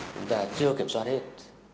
chúng ta chưa kiểm soát hết